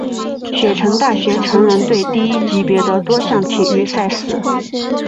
雪城大学橙人队第一级别的多项体育赛事。